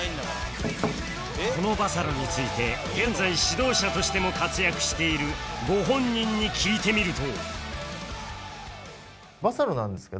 このバサロについて現在指導者としても活躍しているご本人に聞いてみると